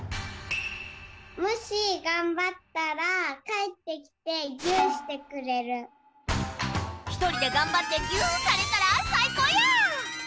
もしがんばったらかえってきてひとりでがんばってギューされたらさいこうや！